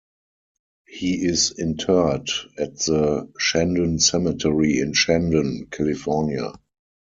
He is interred at the Shandon Cemetery in Shandon, California.